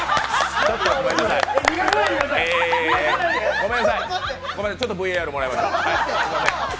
ごめんなさい、ちょっとＶＡＲもらえますか。